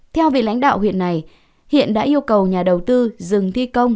theo vị lãnh đạo huyện này hiện đã yêu cầu nhà đầu tư dừng thi công